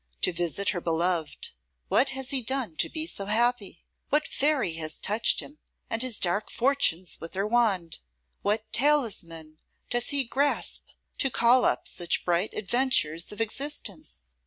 to visit her beloved! What has he done to be so happy? What fairy has touched him and his dark fortunes with her wand? What talisman does he grasp to call up such bright adventures of existence?